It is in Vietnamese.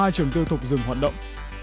năm mươi hai trường tư thục dừng hoạt động